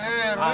eh pak r dek